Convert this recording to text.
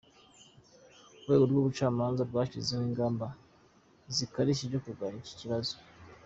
Urwego rw’ubucamanza bwashyizeho ingamba zikarishye zo kurwanya iki kibazo.